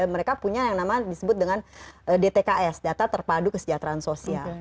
mereka punya yang namanya disebut dengan dtks data terpadu kesejahteraan sosial